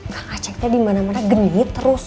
kakak ceknya dimana mana genit terus